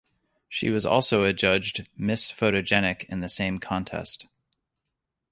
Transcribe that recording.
She was also adjudged 'Miss Photogenic' in the same contest.